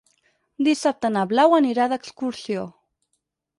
Dissabte na Blau anirà d'excursió.